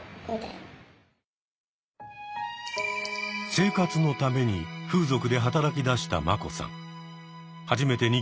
生活のために風俗で働きだしたマコさん。